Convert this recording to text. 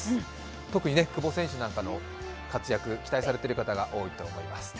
特に久保選手なんかの活躍、期待されている方が多いと思います。